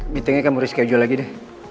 meetingnya kamu risikok jual lagi deh